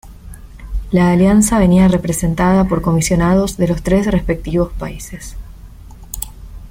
La alianza venía representada por comisionados de los tres respectivos países.